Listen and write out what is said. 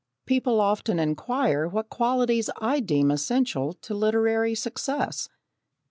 People often inquire what qualities I deem essential to literary success.